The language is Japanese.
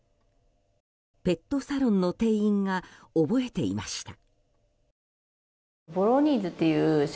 ペットサロンの店員が覚えていました。